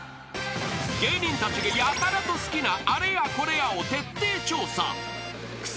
［芸人たちがやたらと好きなあれやこれやを徹底調査］